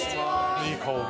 いい香り。